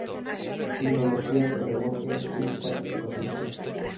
Filología, pedagogía crítica, educación social.